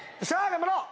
頑張ろう！